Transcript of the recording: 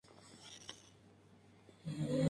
Además de insectos consume lagartijas y frutos pequeños.